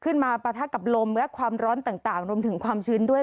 ปะทะกับลมและความร้อนต่างรวมถึงความชื้นด้วย